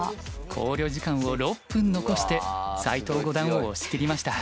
考慮時間を６分残して斎藤五段を押し切りました。